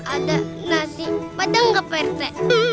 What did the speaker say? ada nasi padang ke pak rete